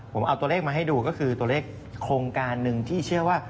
ผมเอาตัวเลขมาให้ดูก็คือตัวเลขโครงการหนึ่งที่เชื่อว่า